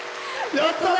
やったね！